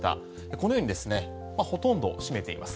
このようにですねほとんどを占めています。